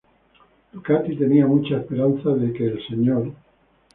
Ducati tenía muchas esperanzas de que el "Mr.